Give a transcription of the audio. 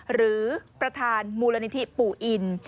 หรือประธานมูลนิธิปู่อิน